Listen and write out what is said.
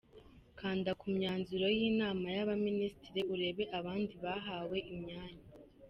Kanda ku myanzuro y’ inama y’ abaminisitiri urebe abandi bahawe imyanya.